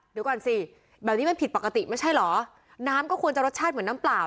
เดี๋ยวก่อนสิแบบนี้มันผิดปกติไม่ใช่เหรอน้ำก็ควรจะรสชาติเหมือนน้ำเปล่า